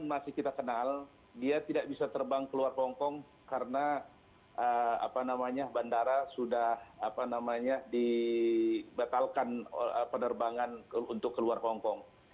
masih kita kenal dia tidak bisa terbang keluar hongkong karena bandara sudah dibatalkan penerbangan untuk keluar hongkong